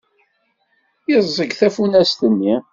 Yeẓẓeg tafunast-nni.